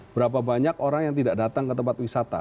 berapa banyak orang yang tidak datang ke tempat wisata